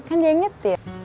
kan dia ngetir